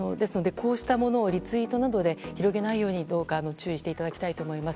こうしたものをリツイートなどで広げないようにどうか注意していただきたいと思います。